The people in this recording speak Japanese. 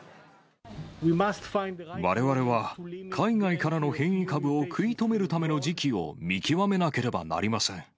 われわれは海外からの変異株を食い止めるための時期を見極めなければなりません。